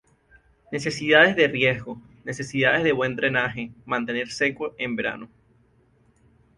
Necesidades de riego: Necesidades de buen drenaje, mantener seco en verano.